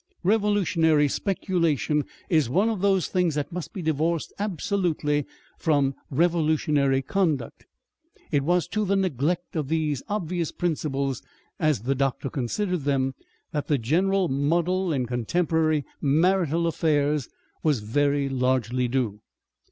Revolutionary speculation is one of those things that must be divorced absolutely from revolutionary conduct. It was to the neglect of these obvious principles, as the doctor considered them, that the general muddle in contemporary marital affairs was very largely due.